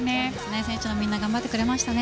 選手のみんな頑張ってくれましたね。